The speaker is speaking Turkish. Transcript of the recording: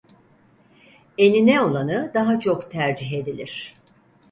Enine olanı daha çok tercih edilir.